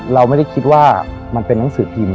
เราไม่ได้คิดว่ามันเป็นหนังสือพิมพ์